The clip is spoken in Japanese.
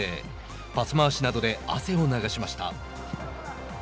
パス回しなどで汗を流しました。